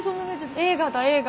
映画だ映画。